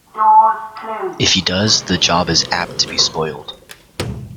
If he does, the job is apt to be spoiled.